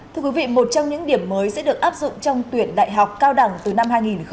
thưa quý vị một trong những điểm mới sẽ được áp dụng trong tuyển đại học cao đẳng từ năm hai nghìn hai mươi